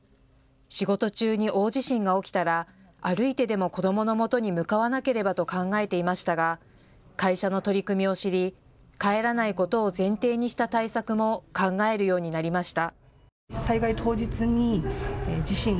仕事中に大地震が起きたら歩いてでも子どものもとに向かわなければと考えていましたが会社の取り組みを知り帰らないことを前提にした対策も考えるようになりました。